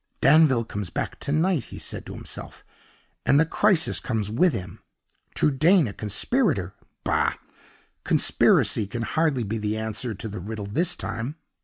"Danville comes back to night," he said to himself, "and the crisis comes with him. Trudaine a conspirator! Bah! conspiracy can hardly be the answer to the riddle this time.